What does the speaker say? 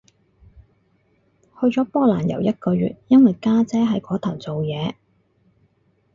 去咗波蘭遊一個月，因為家姐喺嗰頭做嘢